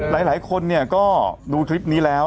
คือหลายคนเนี่ยก็ดูคลิปนี้แล้ว